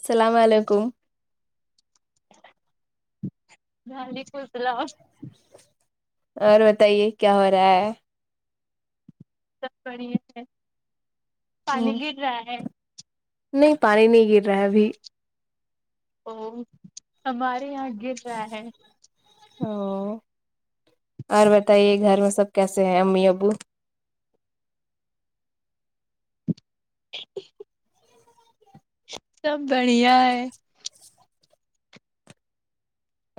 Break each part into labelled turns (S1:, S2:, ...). S1: السلام علیکم
S2: وعلیکم السلام
S1: اور بتائیے کیا ہو رہا ہے
S2: سب بڑھیا ہے پانی
S1: ہ
S2: گر رہا ہے
S1: نہیں پانی نہیں گر رہا ہے ابھی
S2: او ہمارے یہاں گر رہا ہے
S1: او اور بتائیے گھر میں سب کیسے ہیں امی ابو
S2: سب بڑھیا ہے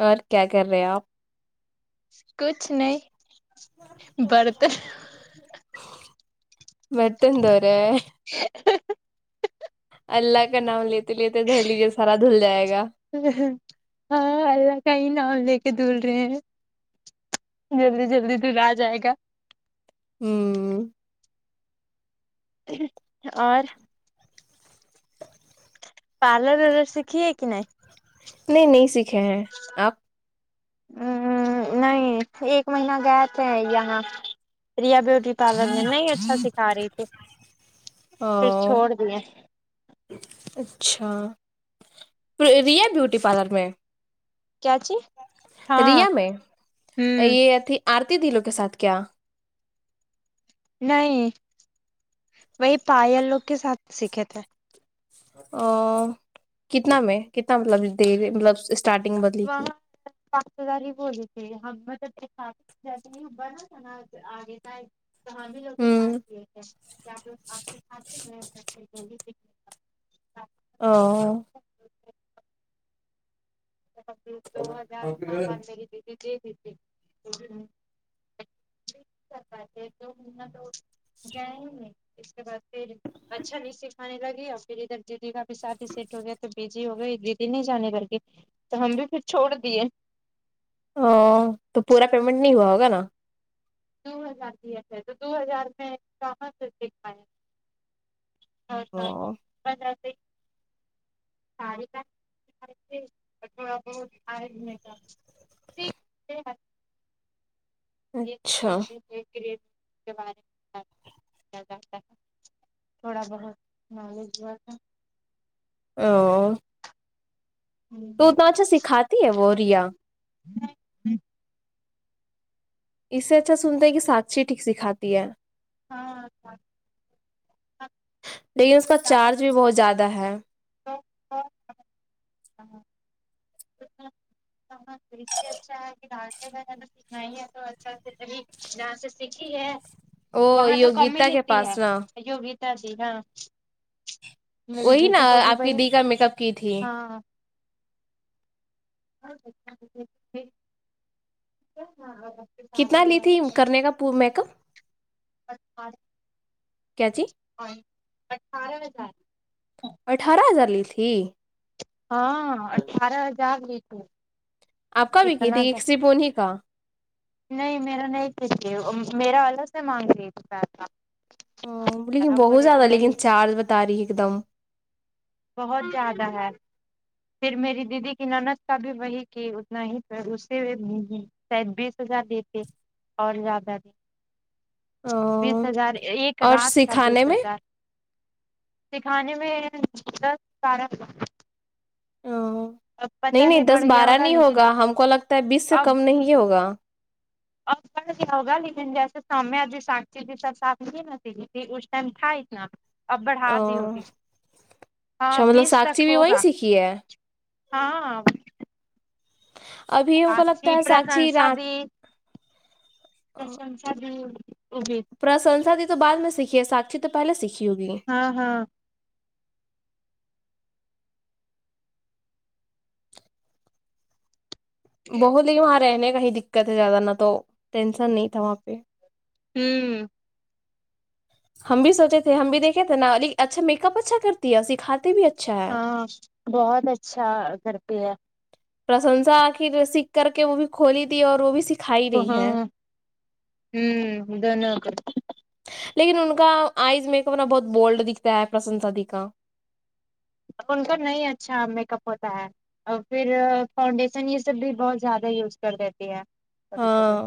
S1: اور کیا کر رہے ہیں آپ
S2: کچھ نہیں برتن
S1: برتن دھو رہیں ہیں اللہ کا نام لیتے لیتے دھو لیجیے سارا دھل جائے گا
S2: ہاں اللہ کا ہی نام لے کے دھول رہے ہیں جلدی جلدی دھل جائے گا
S1: ہمم
S2: اور پارلر ورلر سیکھی ہے کی نہیں
S1: نہیں نہیں سیکھے ہیں آپ
S2: نہیں ایک مہینہ گئے تھے یہاں ریا بیوٹی پالر نے نہیں اچھا سکھا رہی تھی
S1: او
S2: پھر چھوڑ دیے
S1: اچھا ریا بیوٹی پارلر میں
S2: کیا چی ہاں
S1: ریا میں
S2: ہوں
S1: یے تھی آرتی دلو کے ساتھ کیا
S2: نہیں وہی پیل لوگ کے ساتھ سیکھے تھے
S1: آ کتنا میں کتنا مطلب دیگے مطلب اسٹارٹنگ بدلی تھی
S2: سات ہزار ہی بولی تھی ہم [unintelligible] تو ہم ہی لوگ
S1: ہوں
S2: ساتھ گے تھے [unintelligible]
S1: او
S2: دو ہزار روپے بدنے میری دیدی دے دی تھی [unintelligible] گئے نہیں اس کے بعد پھر اچھا نہیں سکھ خانے لگی اور پھر ادھر دیدی کا بھی شادی سیٹ ہو گیا تو بزی ہو گئی دیدی نہیں جانے کر کے تو ہم بھی پھر چھوڑ دیے
S1: تو پورا پیمنٹ نہیں ہوا ہوگا نا
S2: دو ہزار میں کہاں سے سکھائے [unintelligible]
S1: ہاں
S2: [unintelligible] سااری کا تھوڑا بہت [unintelligible] [unintelligible]
S1: اچھا
S2: یے کے بارے میں کیا جاتا ہے تھوڑا بہت نالج ہوا تھا
S1: او تو اتنا اچھا سکھاتی ہے وہ ریا
S2: [unintelligible]
S1: اس سے اچھا سنتا ہے کہ ساچھیی ٹھیک سکھاتی ہے لیکن اس کا چارج بھی بہت زیادہ تا ہے
S2: تو ہاں [unintelligible] ہاں [unintelligible] اچھا ہے کہ ڈانس اسکھائیں ہے تو اچھا سے ڈانس سیکھی ہے
S1: وہ
S2: وہاں تو کم ہی
S1: یوگیتا کے
S2: لیتی ہے
S1: پاس نا
S2: یوگتا ج ہاں میری
S1: وہی نا
S2: بیوی کو بھی
S1: آپ کی
S2: وہی
S1: دی کا میک اپ کی تھی
S2: ہاں [unintelligible]
S1: کتنا لی تھی کرنے کا پورا میک اپ کیا جی
S2: اور اٹھارہ ہزار
S1: اٹھارہ ہزار لی تھی
S2: ہاں اٹھار ہزار لی تھی
S1: آپ کا وکی
S2: اتنا
S1: تھی
S2: کا
S1: ایک سپونی کا
S2: نہیں میرا نہیں کیے میرا والے سے مانگ رہی تھی پیسہ
S1: ہوں لیکن
S2: ہم
S1: بہت
S2: بولے کہ
S1: زیادہ
S2: نہیں
S1: لیکن چارج بتا رہی ایک دم
S2: بہت زیادہ ہے پھر میری دیدی کی نند کا بھی وہی کی اتنا ہی پ اسے بھی شاید بیس ہزار لی تھی اور زیادہ بیس ہزار ایک
S1: اور
S2: رات کا بیس
S1: سکھانے
S2: ہزار سکھانے میں دس بارہ
S1: میں
S2: اب
S1: نہیں
S2: پتہ
S1: نہیں
S2: بڑھ
S1: دس
S2: گیا
S1: بارہ نہیں
S2: لیکن
S1: ہوگا ہم کو لگتا ہے بیس سے
S2: اب
S1: کم نہیں ہوگا
S2: اب شاید کیا ہوگا لیکن جیسے سیہبھی سگی بھی سب صاف نہیں نہتی تھی اس ٹائم تھا اتنا اب بڑھا دی ہوگی
S1: اچھا
S2: ہاں
S1: مطلب
S2: بیس تک
S1: ساکشی بھی وہیں
S2: ہوگا
S1: سیکھی ہے
S2: ہاں
S1: ابھی ہم کو
S2: آپ کی
S1: لگتا ہے ساکشی
S2: پرشنسا
S1: رات
S2: بھی پرشنسا بھی جی
S1: پرسنسا دی تو بعد میں سیکھی ہے ساکشی تو پہلے سیکھی ہوگی
S2: ہاں ہاں
S1: بہت لوگ آرہے ہیں وہی دقت ہے زیادہ نہ تو ٹینشن نہیں تھا وہاں پہ
S2: ہوں
S1: ہم بھی سوچے تھے ہم بھی دیکھے تھے نا علی اچھا میک اپ اچھا کرتی ہے اور سکھاتے بھی اچھا ہے
S2: ہاں بہت اچھا کرتی ہے
S1: پرشنسا آخر سیکھ کر کے وہ بھی کھلی تھی اور وہ بھی س
S2: ہاں ہوں دونو کر
S1: لیکن ان کا آئز میک اپا بہت بولڈ دیکھتا ہے پرشنسا دی کا
S2: ان کا نہیں اچھا میک اپ ہوتا ہے اور پھر فاؤنڈیشن یہ سب بھی بہت زیادہ یوز کر دیتی ہے کبھی کبھی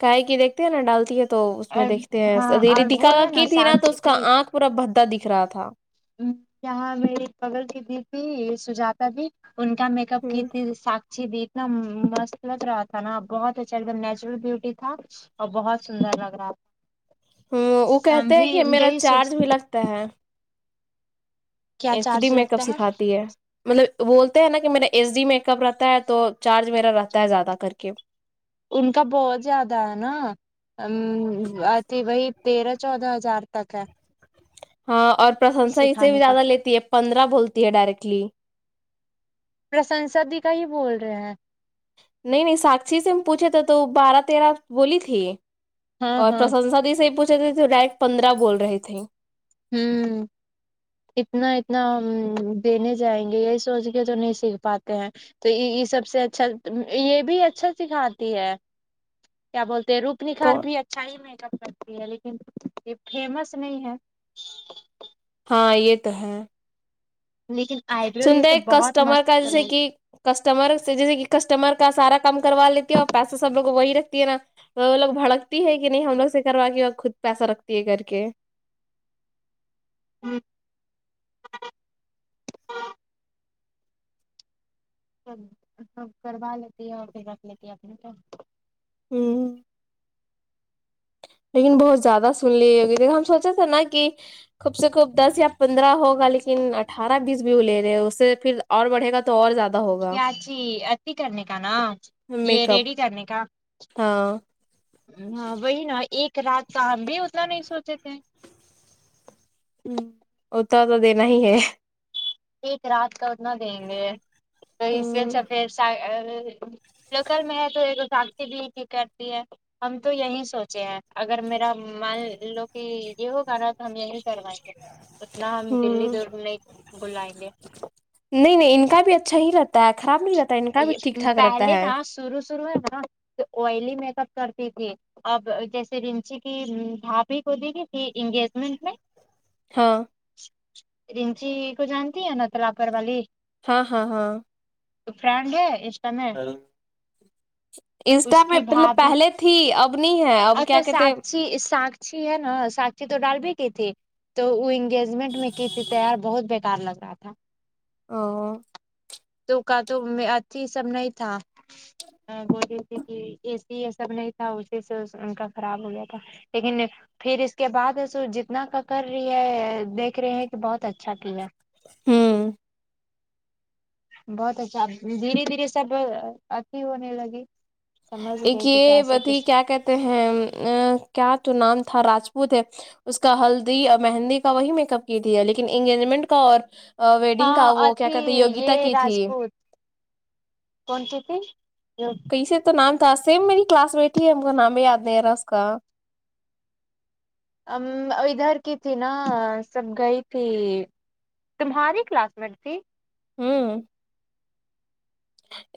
S1: کائے کی دیکھتے ہیں نا ڈالتی ہے تو اس میں
S2: اور
S1: دیکھتے
S2: ہاں
S1: ہیںھی
S2: اور وہ
S1: دکھا
S2: ہے
S1: کی تھی نا تو
S2: سانچی
S1: اس کا
S2: بھی
S1: آنکھ پورا بھدا دکھ رہا تھا
S2: یہاں میری پگل کی د تھی سجاتا بھی ان کا میک اپ کی
S1: ہوں
S2: تھی ساکچی بھی ایک دم مستلط رہا تھا نا بہت اچھا ایک دم نیچرل بیوٹی تھا اور بہت سندر لگ رہا
S1: ہوں وہ
S2: تھا ہم
S1: کہتے ہیں
S2: بھی
S1: کہ میرا
S2: یہی سوچ
S1: چارج بھی لگتا ہے
S2: کیا
S1: S D
S2: charge
S1: makeup
S2: لگتا
S1: سکھاتی ہے مطلب بولتے ہیں نا کہ میرا ایس ڈی میک اپ رہتا ہے تو چارج میرا رہتا ہے زیادہ کر کے
S2: ان کا بہت زیادہ ہے نا امم اتی وہی تیرہ چودہ ہزار تک ہے
S1: ہاں اور پرسنسا اس سے بھی
S2: سکھانے کا
S1: زیادہ لیتی ہے پندرہ بولتی ہے ڈائریکٹلی
S2: پرسنسا کا ہی بول رہے ہیں
S1: نہیں نہیں ساکشی سے ہم پوچھے تھے تو بارہ تیرہ بولی تھی
S2: ہاں
S1: اور
S2: ہاں
S1: پرسنسادی سے بھی ی پوچھے تھے تو ڈائریکٹ پندرہ بول رہی تھی
S2: ھمم اتنا اتنا دینے جائیں گے یہی سوچ کے تو نہیں سیکھ پاتے ہیں تو یہ یہ سب سے اچھا یہ بھی اچھا سکھاتی ہے کیا بولتے رو نکھار
S1: کون
S2: بھی اچھا ہی میک اپ کرتی ہے لیکن یہ فیمس نہیں ہے
S1: اں یہ تو ہے
S2: لیکن آئے
S1: سنتا [unintelligible] ایک کسٹمر کا جسے کہ کسٹمر سے جیسے کہ کسٹمر کا سارا کام کروا لیتی ہے اور پیسہ سب لوگ کو وہی رکھتی ہے نا وہ لوگ بھڑکتی ہے کہ نہیں ہم لوگ سے کروا کے خود پیسہ رکھتی ہے کر کے
S2: ہوں سب سب کروا لیتی ہے اور پھر رکھ لیتی ہے اپنے کو
S1: ہوں لیکن بہت زیادہ سن لی ہوگئی ہم سوچے تھے نا کہ کم سے کم دس یا پندرہ ہوگا لیکن اٹھارہ بیس بھی وہ لے رہے ہیں اس سے پھر اور بڑھے گا تو اور زیادہ ہوگا
S2: کیاچی ایسی کرنے کا نا یہ
S1: میک اپ
S2: ریڈی کرنے کا
S1: ہاں
S2: ہاں وہی نا ایک رات کا ہم بھی اتنا نہیں سوچے تھے
S1: ہوں اتنا تو دینا ہی ہے
S2: ایک رات کا اتنا دیں گے تو اس سے
S1: ہوں
S2: اچھا دیڑھ لکل میں ہے تو ایکزاکتی بھی کی کرتی ہے [inaudible] ہم تو یہی سوچے ہیں اگر میرا من ان لوگ کی یہ ہو گا نا تو ہم یہی کروائیں گے اتنا ہم دلی
S1: ہوں
S2: دور نہیں بلائیں گے
S1: نہیں نہیں ان کا بھی اچھا ہی رہتا ہے خراب نہیں رہتا ان کا بھی ٹھیک
S2: یہ
S1: ٹھاک رہتا
S2: پہلے
S1: ہے
S2: نا شروع شروع ہے نا آئلی میک اپ کرتی تھی آب جیسے رنچی کی بھابھی کو دیکھے انگیجمنٹ میں
S1: ہاں
S2: رچی کو جانتی ہے ن تلاپر والی
S1: ہاں ہاں ہاں
S2: تو فرینڈ ہے اس سمے
S1: انسٹا
S2: اس
S1: میں
S2: کی
S1: مطلب
S2: بھابھی
S1: پہلے تھی اب نہیں ہے اب کیا
S2: اچھا
S1: کہتے
S2: ساکشی سا کشی ہے نا ساکشی تو ڈال بھی کی تھی تو وہ انگیجمنٹ میں کی تھی تیار بہت ڈر لگ رہا تھا
S1: او
S2: تو کا تو میں اتھی سب نہیں تھا بے بول رہی تھی کی اے سی یے سب نہیں تھا اسی سے ان کا خراب ہو گیا تھا لیکن پھر اس کے بعد سو جتنا کا کر رہی ہے دیکھ رہے ہیں کہ بہت اچھا کیا
S1: ہمم
S2: بہت اچھا دھیرے دھیرے سب اچھی ہونے لگے
S1: ان کے پتی کیا کہتے ہیں کیا تو نام تھا راجپوت ہے اس کا ہلدی اور مہندی کا وہی میک اپ کی ت ہے لیکن انگیجمنٹ کا اور ویڈنگ کا
S2: ہاں
S1: وہ کیا
S2: اھی
S1: کہتے یوگیتا
S2: یہ
S1: کی تھی
S2: راجپوت کون کی تھی
S1: کیسے تو نام تھا سیم میری کلاس بیٹھی ہے ہم کا نام بھی یاد نہیں رہا اس کا
S2: اب ادھر کی تھی نا سب گئی تھی تمہاری کلاس میٹ تھی
S1: ہمم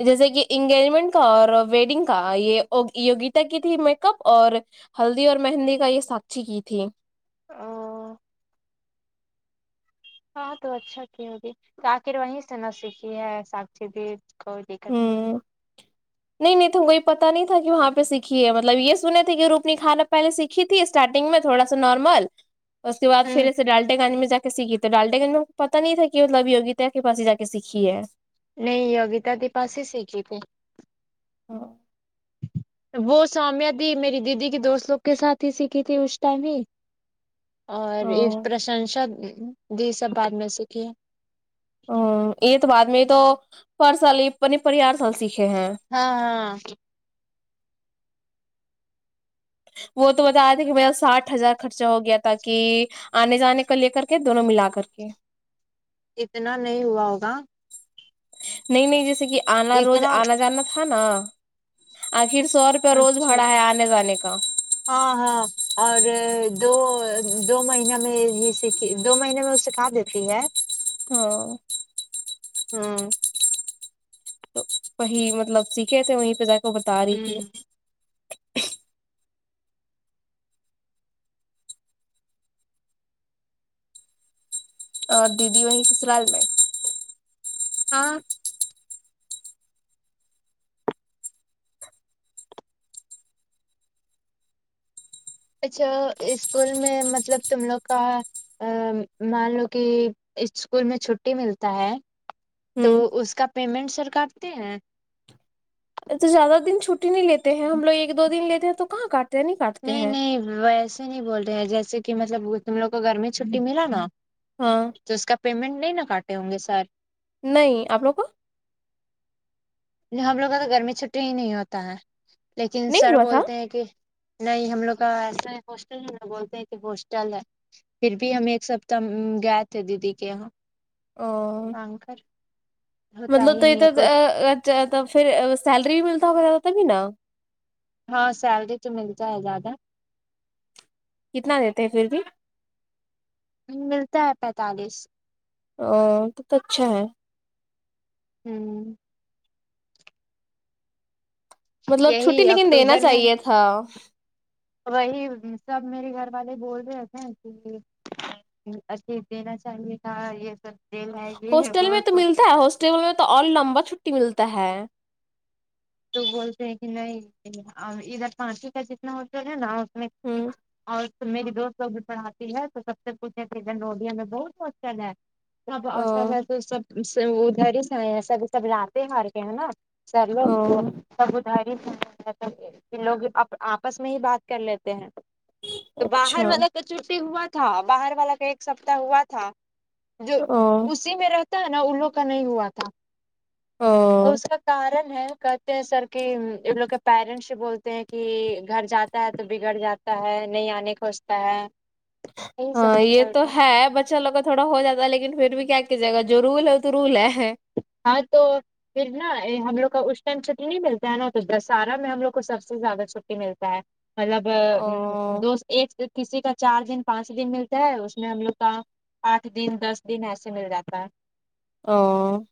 S1: جیسے کی انگیجمنٹ کا اور ویڈنگ کا یے یوگیتا کی تھی میک اپ اور ہلدی اور مہندی کا یم یے ساکچی کی تھی
S2: آ ہاں تو اچھا کی ہوگی تو آخر وہیں سے نہ سیکھی ہے ساکشی بھی کوئی دقت نہیں
S1: ہوں
S2: ہے
S1: نہیں نہیں تو وہی پتہ نہیں تھا کی وہاں پے سیکھی ہے مطلب یے سنے تھے کی روپنی خانا پہلے سے ہی تھی اسٹارٹنگ میں تھوڑا سا نارمل اس کےبعد پھر
S2: ہ
S1: اسے ڈالٹے گانے میں جا سیکھی تو ڈالڈے گن م پتہ نہیں تھا کی مطلبی ہوگیتا ہے کہ پاس جا کے سیکھی ہے
S2: نہیں یوگیتا کے پاس ہی سیکھی تھی تھی
S1: ہا
S2: وہ سامیہ دی میری دیدی کی دوست لوگ کے ساتھ ہی سیکھی تھی اس ٹائم ہی اور یے پرشنسا دی سب بعد میں سیکھے
S1: او یے تو بعد میں یے تو پر سال ہی اپنی پار سال سیکھے ہیں
S2: ہاں ہاں
S1: وہ تو بتا رہے تھے کی میرا ساٹھ ہزار خرچہ ہو گیا تھا کی آنے جانے کو لے کر کے دونوں ملا کر کے
S2: اتنا نہیں ہوا ہوگا
S1: نہیں نہیں جیسے کی آنا روز
S2: اتنا
S1: آنا جانا تھا نا آخر سو روپیہ روز
S2: اچھا
S1: بھڑا ہے آنے جانے کا
S2: ہاں ہاں اور دو دو مہینہ میں یے سیکھی دو مہینے میں وه سکھا دیتی ہے
S1: ہاں
S2: ہمم
S1: وہی مطلب سیکھے تھے وہیں پے جاکے بتا رہی تھی
S2: ہوں
S1: اور دیدی وہی سسرال میں
S2: ہاں اچھا اسکول میں مطلب تم لوگ کا ا مان لو کہ اسکول میں چھٹی ملتا ہے تو
S1: ہوں
S2: اس کا پیمنٹ سر کاٹ تے ہیں
S1: تو زیادہ دن چھٹی نہیں لیتے ہیں ہم لوگ ایک دو دن لیتے ہیں تو کہاں کاٹ
S2: نہیں نہیں ویسے نہیں بول رہے ہیں جیسے کہ مطلب تم لوگ کو گرمی چھٹی ملا نا
S1: ہاں
S2: تو اس کا پیمنٹ نہیں نا کاٹے ہوں گے سر
S1: نہیں آپ لوگ کا
S2: ہم لوگ کا تو گرمی میں چھٹی ہی نہیں ہوتا ہے لیکن
S1: نہیں
S2: سر
S1: ہوا تھا
S2: بولتے ہیں کہ نہیں ہم لوگ کا ایسا ہے ہاسٹل ہائی وہ بولتے ہیں کہ ہاسٹل ہے پھر بھی ہم ایک سپتہ گئے تھے دیدی کے یہاں
S1: اور
S2: [unintelligible] ہوتا
S1: مطلب تو
S2: ہی
S1: یہ
S2: نہیں
S1: تو
S2: ہے کوئی
S1: ا ڈا اچھا پھر سیلری بھی ملتا ہوگ زیادہ تبھی نا
S2: ہاں سیلری تو ملتا ہے زیادہ
S1: کتنا دیتے ہیں پھر بھی
S2: ملتا ہے پینتالیس
S1: او تو کتنا اچھا ہے
S2: ہوں
S1: مطلب چھٹی
S2: یہی
S1: لیکن دینا
S2: اکتوبر میں
S1: چاہیے تھا
S2: وہی سب میرے گھر والے بول رہے تھے کہ اٹلیسٹ دینا چاہیے تھا یہ سب ڈے ہے یہ وہ ہے سب ہے
S1: تمہیں تو اور لمبا چھٹی ملتا ہے
S2: تو بولتے ہیں کہ نہیں ادھر پانچ کا جتنا ہوٹل ہے نا
S1: ہ
S2: اور میری دوست بھی پڑھاتی ہے تو سب سے پوچھےکن روڈیا میں دوست ہوسٹل ہے سب ہوسٹل
S1: ا
S2: ہے تو سب ادھر ہی سب سب لاتے ہیں ہر کے ہے نا سب
S1: ا
S2: لوگ [unintelligible] سب ادھر ہی لوگ آپس میں ہی بات کر لیتے ہیں تو باہر
S1: اچھا
S2: والا کا چھٹی ہوا تھا باہر والا کا ایک سپتہ ہوا تھا جو
S1: ا
S2: اسی میں رہتا ہے نا ان لوگ کا نہیں ہوا تھا اور
S1: او
S2: اس کا کارن ہے کہتے ہیں سر کہ ان لوگ کے پیرنٹس بولتے ہیں کہ گھر جاتا ہے تو بگڑ جا تا ہے نہیں آنے کا سوچتا ہے یہی سب
S1: ہاں
S2: کچھ
S1: یہ تو
S2: چلتا
S1: ہے بٹ اچھا لوگ کا تھوڑا ہو جاتا لیکن پھر بھی کیا کیجیے گا جو رول ہے تو رول ہے
S2: ہاں تو پھر نا ہم لوگ کا اس ٹائم چھٹی نہیں ملتا ہے نا تو دسہرہ میں ہم لوگ کو سب سے زیادہ چھٹی ملتا ہے مطلب
S1: او
S2: دوست ایک کسی کا چار دن پانچ دن ملتا ہے اس میں ہم لوگ کا آٹھ دن دس دن ایسے مل جاتا ہے
S1: اں